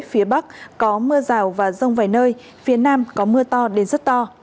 phía bắc có mưa rào và rông vài nơi phía nam có mưa to đến rất to